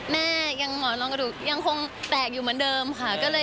แม่ยังหมอนรองกระดูกยังคงแตกอยู่เหมือนเดิมค่ะ